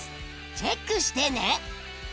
チェックしてね。